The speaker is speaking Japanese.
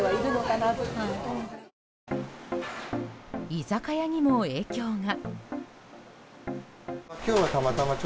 居酒屋にも影響が。